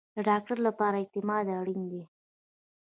د ډاکټر لپاره اعتماد اړین دی